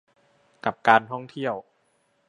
กับการท่องเที่ยว